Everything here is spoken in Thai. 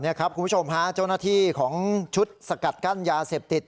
คุณผู้ชมฮะเจ้าหน้าที่ของชุดสกัดกั้นยาเสพติด